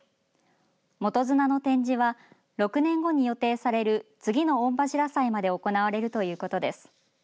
元綱の展示は６年後に予定される次の御柱祭まで行われるということです。